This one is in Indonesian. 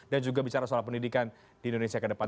dan juga bicara soal pendidikan di indonesia ke depan